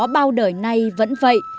bao đời nay vẫn vậy